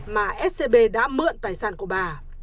mà scb đã mượn tài sản của bà